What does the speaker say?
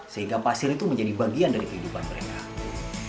sehingga pasir itu menjadi bagian dari kehidupan mereka